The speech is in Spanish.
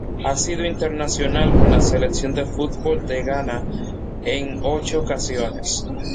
Ha sido internacional con la Selección de fútbol de Ghana en ocho ocasiones.